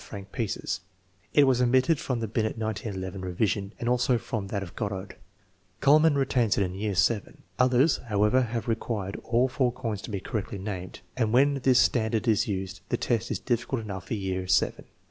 VI, 6 185 5 franc pieces. It was omitted from the Binet 1911 re vision and also from that of Goddard. Kuhlmann retains it in year VII. Others, however, have required all four coins to be correctly named, and when this standard is used the test is difficult enough for year VII.